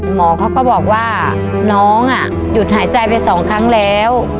หมอเขาก็บอกว่าน้องหยุดหายใจไปสองครั้งแล้ว